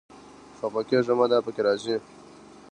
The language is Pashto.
خپه کېږه مه، دا پکې راځي